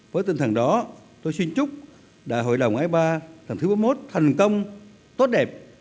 với tinh thần đó tôi xin chúc đại hội đồng ipa lần thứ bốn mươi một thành công tốt đẹp